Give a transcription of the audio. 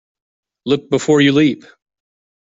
Look before you leap.